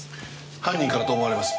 犯人からと思われます。